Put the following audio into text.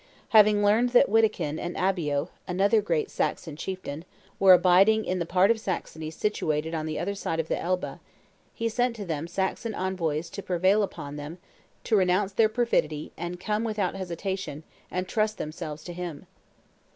"Having learned that Wittikind and Abbio (another great Saxon chieftain) were abiding in the part of Saxony situated on the other side of the Elbe, he sent to them Saxon envoys to prevail upon them to renounce their perfidy, and come, without hesitation, and trust themselves to him.